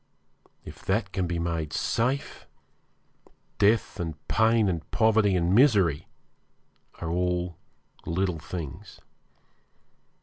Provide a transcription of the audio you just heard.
If that can be made safe, death and pain and poverty and misery are all little things.